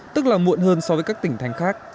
tức là muộn hơn so với các tỉnh thành khác